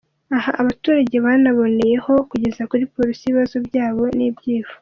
Aha abaturage banaboneyeho kugeza kuri polisi ibibazo byabo n’ibyifuzo.